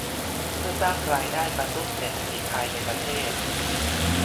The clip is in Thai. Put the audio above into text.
เพื่อสร้างรายได้กระตุ้นเศรษฐกิจภายในประเทศ